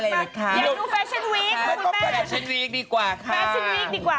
แฟชั่นวีกดีกว่าค่ะ